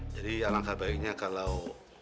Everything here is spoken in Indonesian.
jadi alangkah baiknya kalau